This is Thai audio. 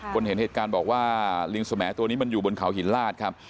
คนเห็นเหตุการณ์บอกว่าลิงสแมตัวนี้มันอยู่บนเขาหินลาดครับ